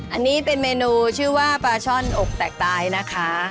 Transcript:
อันนี้เป็นเมนูชื่อว่าปลาช่อนอกแตกตายนะคะ